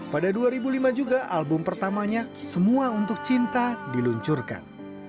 pada dua ribu lima juga album pertamanya semua untuk cinta diluncurkan